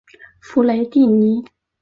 弗雷蒂尼。